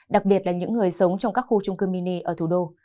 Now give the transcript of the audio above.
đặc biệt là những người sống trong các khu trung cư mini ở thủ đô